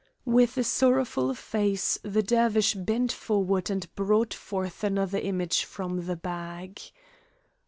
With a sorrowful face the Dervish bent forward and brought forth another image from the bag.